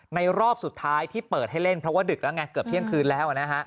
รอบสุดท้ายที่เปิดให้เล่นเพราะว่าดึกแล้วไงเกือบเที่ยงคืนแล้ว